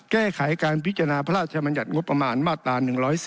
แก้ไขการพิจารณาพระราชมัญญัติงบประมาณมาตรา๑๔